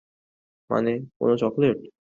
মানে, কোনো চকলেট?